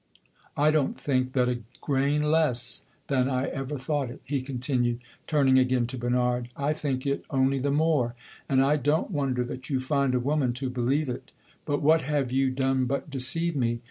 I don't think that a grain less than I ever thought it," he continued, turning again to Bernard. "I think it only the more, and I don't wonder that you find a woman to believe it. But what have you done but deceive me?